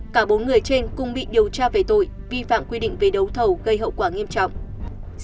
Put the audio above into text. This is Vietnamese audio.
cả bốn người trên cùng bị điều tra về tội vi phạm quy định về đấu thầu gây hậu quả nghiêm trọng